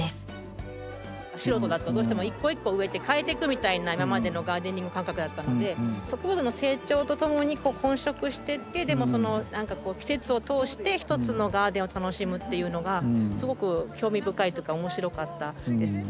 素人だとどうしても一個一個植えて替えていくみたいな今までのガーデニング感覚だったので植物の成長とともに混植してってでも季節を通して一つのガーデンを楽しむっていうのがすごく興味深いというか面白かったです。